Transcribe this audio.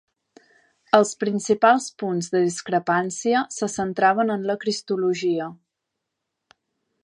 Els principals punts de discrepància se centraven en la cristologia.